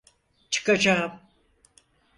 Çıkacağım.